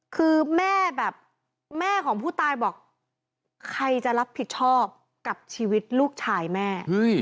คือแม่แบบแม่ของผู้ตายบอกใครจะรับผิดชอบกับชีวิตลูกชายแม่